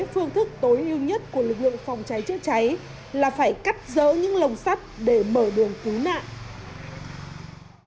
phương thức tối ưu nhất của lực lượng phòng cháy chữa cháy là phải cắt rỡ những lồng sắt để mở đường cứu nạn